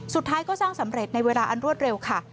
สุดท้ายก็สร้างสำเร็จในเวลาอันรวดเร็วค่ะ